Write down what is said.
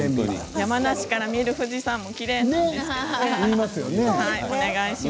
山梨から見る富士山もきれいなので、お願いします。